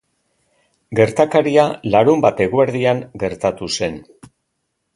Gertakaria larunbat eguerdian gertatu zen.